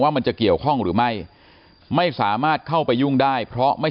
มันจะเกี่ยวข้องหรือไม่ไม่สามารถเข้าไปยุ่งได้เพราะไม่